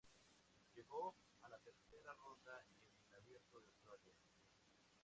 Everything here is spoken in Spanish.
Llegó a la tercera ronda en el Abierto de Australia.